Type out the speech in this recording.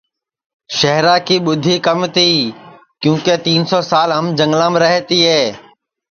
شہرا کی ٻُدھی کم تی کیونکہ تین سو سال ہم جھنگام رہے تیے